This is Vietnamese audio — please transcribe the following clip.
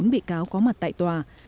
một mươi bốn bị cáo có mặt tại tòa